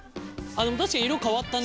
確かに色変わったね。